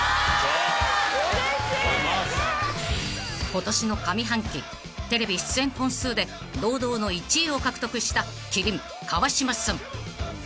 ［今年の上半期テレビ出演本数で堂々の１位を獲得した麒麟川島さん］